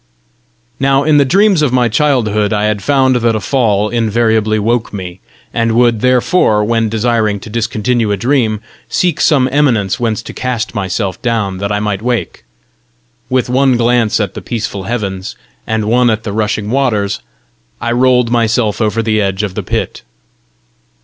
Now in the dreams of my childhood I had found that a fall invariably woke me, and would, therefore, when desiring to discontinue a dream, seek some eminence whence to cast myself down that I might wake: with one glance at the peaceful heavens, and one at the rushing waters, I rolled myself over the edge of the pit.